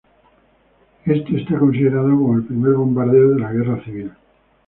Este está considerado como el primer bombardeo de la guerra civil.